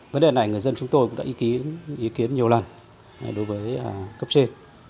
vấn đề này người dân chúng tôi cũng đã ý kiến nhiều lần đối với cấp trên